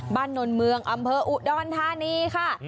นนเมืองอำเภออุดรธานีค่ะ